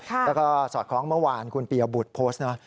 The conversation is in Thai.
แล้วก็สอดคล้องเมื่อวานคุณปียบุตรโพสต์นะ